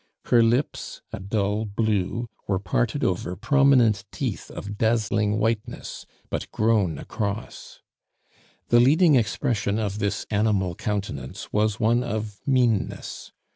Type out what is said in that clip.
Her lips, a dull blue, were parted over prominent teeth of dazzling whiteness, but grown across. The leading expression of this animal countenance was one of meanness.